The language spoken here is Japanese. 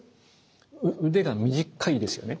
腕が短いですよね？